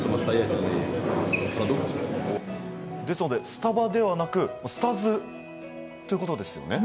スタバではなくスタズということですよね。